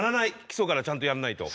基礎からちゃんとやんないと。